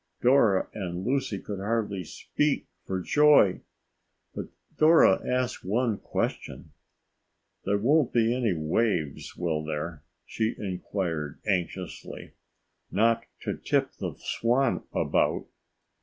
Dora and Lucy could hardly speak for joy. But Dora asked one question. "There won't be any waves, will there?" she inquired anxiously. "Not to tip the swan about?"